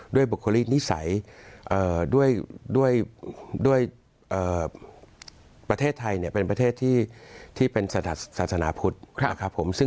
ด้วยบุคคลิตนิสัยด้วยประเทศไทยเป็นประเทศที่เป็นศาสนาพุทธ